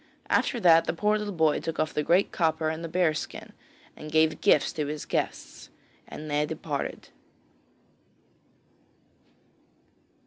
After that the poor little boy took off the great copper and the bear skin, and gave gifts to his guests, and they departed.